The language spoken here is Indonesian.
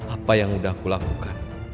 apa yang sudah aku lakukan